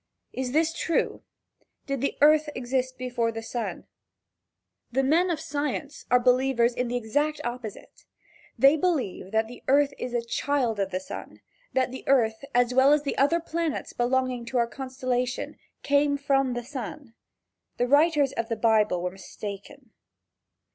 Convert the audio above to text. Is this true? Did the earth exist before the sun? The men of science are believers in the exact opposite. They believe that the earth is a child of the sun that the earth, as well as the other planets belonging to our constellation, came from the sun. The writers of the Bible were mistaken.